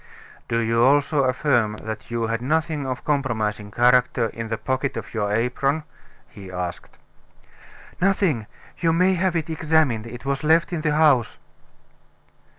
"Do you also affirm that you had nothing of a compromising character in the pocket of your apron?" he asked. "Nothing you may have it examined; it was left in the house."